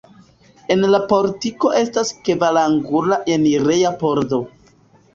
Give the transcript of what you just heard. En la portiko estas kvarangula enireja pordo.